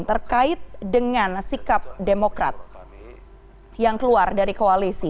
terkait dengan sikap demokrat yang keluar dari koalisi